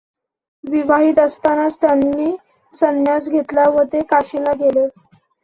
विवाहित असतानाच त्यांनी संन्यास घेतला व ते काशीला गेले.